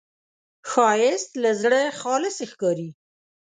ښایست له زړه خالص ښکاري